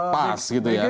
pas gitu ya